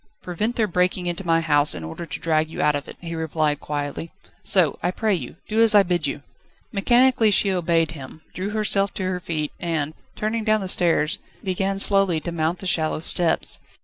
"Prevent their breaking into my house in order to drag you out of it," he replied quietly; "so, I pray you, do as I bid you." Mechanically she obeyed him, drew herself to her feet, and, turning towards the stairs, began slowly to mount the shallow steps.